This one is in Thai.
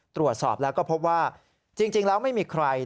ตรวจสอบแล้วก็พบว่าจริงแล้วไม่มีใคร